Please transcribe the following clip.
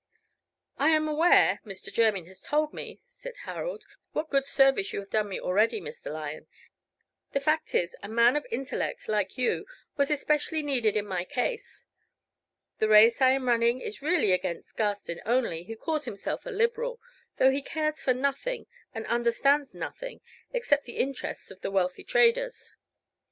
"I am aware Mr. Jermyn has told me," said Harold, "what good service you have done me already, Mr. Lyon. The fact is, a man of intellect like you was especially needed in my case. The race I am running is really against Garstin only, who calls himself a Liberal, though he cares for nothing, and understands nothing, except the interests of the wealthy traders.